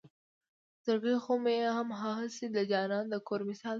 زړګے خو مې هم هسې د جانان د کور مثال دے